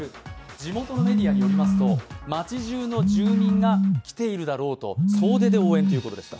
地元メディアによりますと、町中の住人が来ているだろうと総出で応援ということでした。